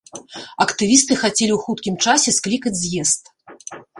Актывісты хацелі ў хуткім часе склікаць з'езд.